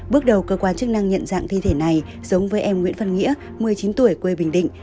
bước đầu cơ quan chức năng nhận dạng thi thể này giống với em nguyễn văn nghĩa một mươi chín tuổi quê bình định